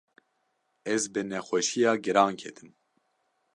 ez bi nexweşîya giran ketim.